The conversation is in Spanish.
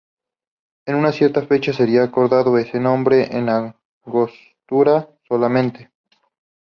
En una cierta fecha sería acortado ese nombre a Angostura solamente.